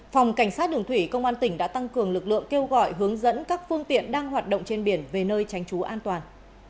phòng cảnh sát đường thủy công an tỉnh đã tăng cường lực lượng kêu gọi hướng dẫn các phương tiện đang hoạt động trên biển về nơi tránh trú an toàn